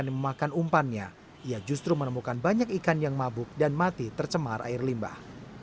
yang memakan umpannya ia justru menemukan banyak ikan yang mabuk dan mati tercemar air limbah